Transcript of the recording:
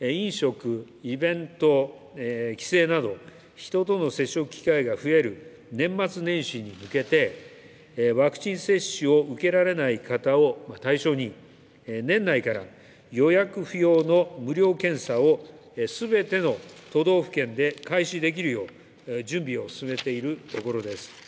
飲食、イベント、帰省など、人との接触機会が増える年末年始に向けて、ワクチン接種を受けられない方を対象に、年内から予約不要の無料検査をすべての都道府県で開始できるよう、準備を進めているところです。